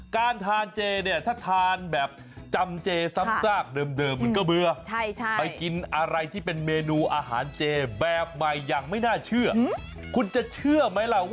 การทานเจถ้าทานแบบจำเจซ้ำซากเดิมมันก็เบื่อ